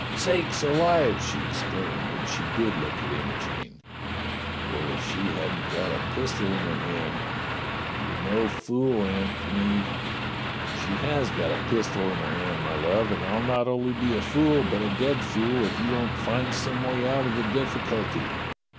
'*Sakes alive!" she exclaimed when she did look at Imogene, "for if she hasn't got a pistol in her hand, you're no fool, Antony !" "She has got a pistol in her hand, my love, and I'll not only be a fool, but a dead fool, if you don't find some way out of the difficulty."